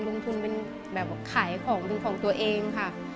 ลงทุนเป็นแบบขายของเป็นของตัวเองค่ะ